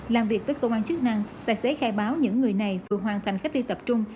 làm việc với cơ quan chức năng tài xế khai báo những người này vừa hoàn thành cách ly tập trung